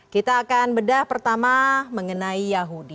kita akan bedah pertama mengenai yahudi